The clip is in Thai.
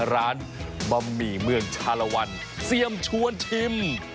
บะหมี่เมืองชาลวันเซียมชวนชิม